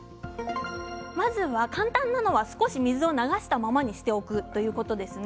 まず簡単なのは少し水を流したままにしておくということです。